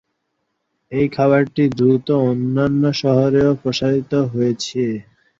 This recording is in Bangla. এই খাবারটি দ্রুত অন্যান্য শহরেও প্রসারিত হয়েছে।